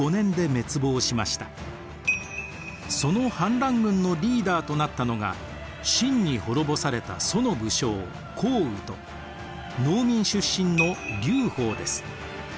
その反乱軍のリーダーとなったのが秦に滅ぼされた楚の武将項羽と農民出身の劉邦です。